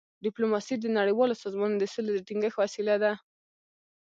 ډيپلوماسي د نړیوالو سازمانونو د سولي د ټینګښت وسیله ده.